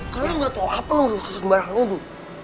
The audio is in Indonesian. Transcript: kalian gak tau apa lo disisi barang lo